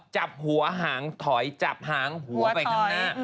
จับหัวหางถอยจับหางหัวไปข้างหน้า